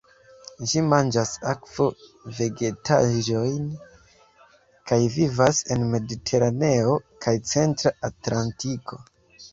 Ĝi manĝas akvo-vegetaĵojn kaj vivas en Mediteraneo kaj Centra Atlantiko.